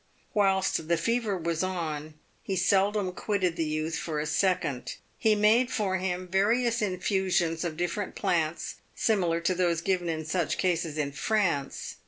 "Whilst the fever was on, he seldom quitted the youth for a second. He made for him various infusions of different plants, similar to those given in such cases in France.